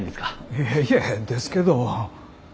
いえいえですけど。